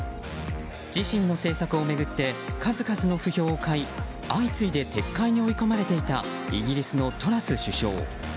自身の政策を巡って数々の不評を買い相次いで撤回に追い込まれていたイギリスのトラス首相。